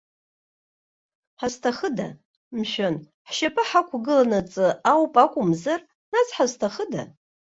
Ҳазҭахыда, мшәан, ҳшьапы ҳақәгыланаҵы ауп акәымзар, нас ҳазҭахыда!